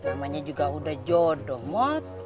namanya juga udah jodoh mot